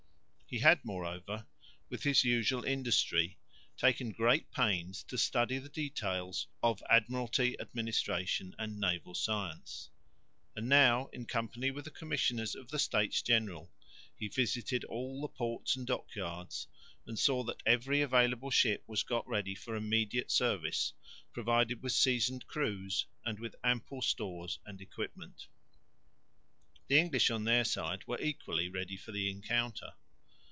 He had, moreover, with his usual industry taken great pains to study the details of admiralty administration and naval science; and now, in company with the Commissioners of the States General, he visited all the ports and dockyards and saw that every available ship was got ready for immediate service, provided with seasoned crews, and with ample stores and equipment. The English on their side were equally ready for the encounter.